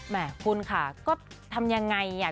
แม่คุณค่ะก็ทำยังไง